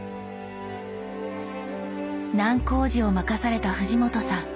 難工事を任された藤本さん。